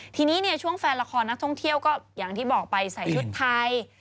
ทีนี้เนี่ยช่วงแฟนละครนักท่องเที่ยวก็อย่างที่บอกไปใส่ชุดไทย